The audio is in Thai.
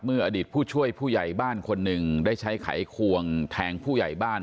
อดีตผู้ช่วยผู้ใหญ่บ้านคนหนึ่งได้ใช้ไขควงแทงผู้ใหญ่บ้าน